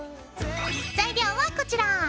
材料はこちら。